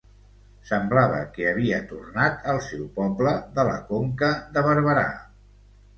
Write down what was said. Semblava que havia tornat al seu poble de la Conca de Barberà.